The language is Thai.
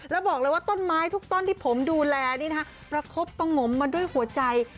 แล้วบอกเลยว่าต้นไม้ทุกต้นที่ผมดูแลประคบต่อหมมมาด้วยหัวใจ